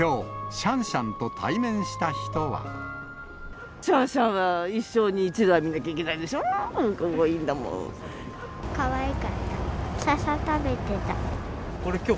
シャンシャンは一生に一度は見なきゃいけないでしょう？